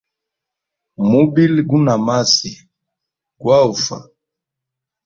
Mubili guna masi ngwa ufwa.